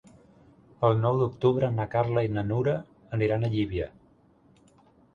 El nou d'octubre na Carla i na Nura aniran a Llívia.